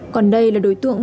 còn đây là đối tượng